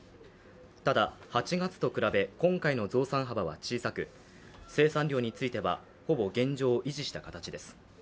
ただ８月と比べ今回の増産幅は小さく生産量については、ほぼ現状を維持した形です。